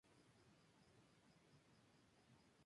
Yoshihiro Nishida